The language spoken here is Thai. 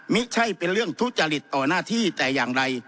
ไม่ใช่เป็นเรื่องทุจริตต่อหน้าที่แต่อย่างใด